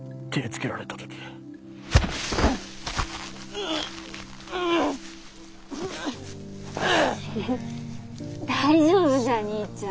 うう！へへ大丈夫じゃ兄ちゃん。